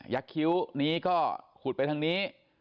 คิ้วนี้ก็ขุดไปทางนี้